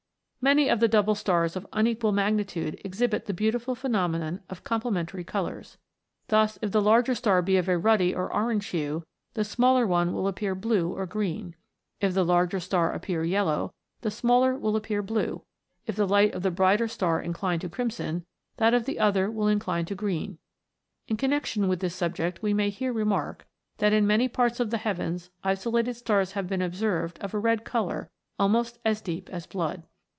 Many of the double stars of unequal magnitude exhibit the beautiful phenomenon of complementary colours. Thus, if the larger star be of a ruddy or orange hue, the smaller one will appear blue or green; if the larger star appear yellow, the smaller will appear blue; if the light of the brighter star incline to crimson, that of the other will incline to green. In connexion with this subject we may here remark, that in many parts of the heavens isolated stars have been observed of a red colour, almost as deep as blood.